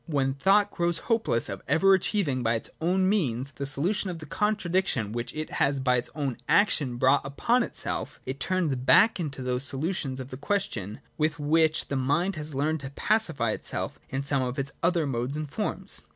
When thought grows hopeless of ever achieving, by its own means, the solution of the contradiction which it has by its own action brought upon itself, it turns back to those solutions of the question with which the mind had learned to pacify itself in some of its other modes and forms.